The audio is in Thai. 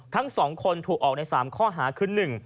ทั้ง๒คนถูกออกใน๓ข้อหาคือ๑